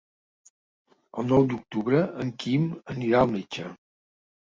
El nou d'octubre en Quim anirà al metge.